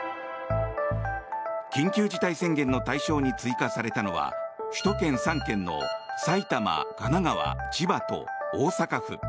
緊急事態宣言の対象に追加されたのは首都圏３県の埼玉、神奈川、千葉と大阪府。